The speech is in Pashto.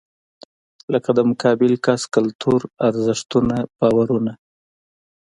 لکه د مقابل کس کلتور، ارزښتونه، باورونه .